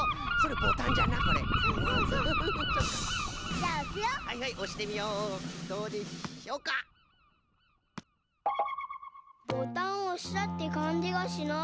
ボタンをおしたってかんじがしない。